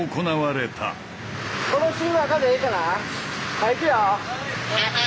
はいいくよ！